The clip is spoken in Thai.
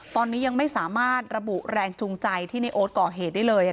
ตอนนี้ยังไม่สามารถระบุแรงจูงใจที่ในโอ๊ตก่อเหตุได้เลย